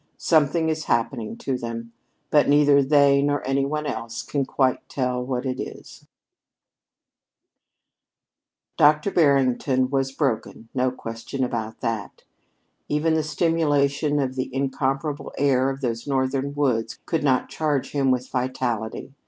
Something is happening to them, but neither they nor any one else can quite tell what it is." Dr. Barrington was broken, no question about that. Even the stimulation of the incomparable air of those Northern woods could not charge him with vitality.